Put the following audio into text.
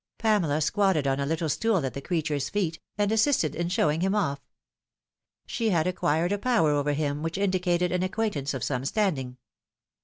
Pamela squatted on a little stool at the creature's feet, and assisted in showing him off. She had acquired a power over him which indicated an acquaintance of some standing.